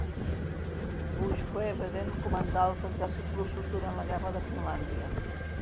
Buxhoeveden comandà els exèrcits russos durant la guerra de Finlàndia.